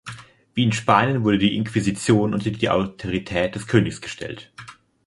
Wie in Spanien wurde die Inquisition unter die Autorität des Königs gestellt.